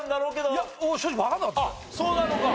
あっそうなのか！